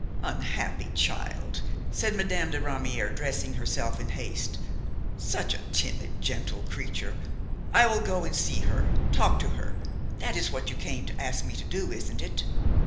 "Unhappy child!" said Madame de Ramière, dressing herself in haste. "Such a timid, gentle creature! I will go and see her, talk to her! that is what you came to ask me to do, isn't it?"